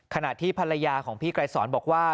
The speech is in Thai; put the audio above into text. ขณะที่ภรรยาของพี่ไกรสอนบอกว่า